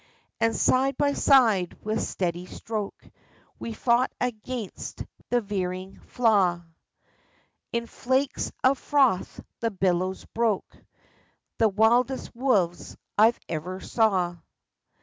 And side by side, with steady stroke, We fought against the veering flaw ; In flakes of froth the billows broke — The wildest wolves I ever saw